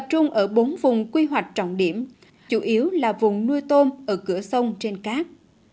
trong bốn vùng quy hoạch trọng điểm chủ yếu là vùng nuôi tôm ở cửa sông trên cát